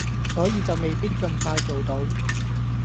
所以就未必咁快做到